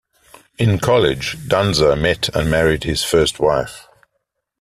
In college, Danza met and married his first wife.